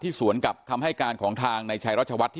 สวนกับคำให้การของทางในชัยรัชวัฒน์